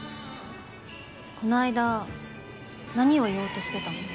この間何を言おうとしてたの？